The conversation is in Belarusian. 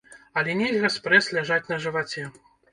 Але нельга спрэс ляжаць на жываце.